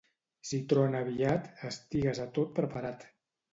Si trona aviat, estigues a tot preparat.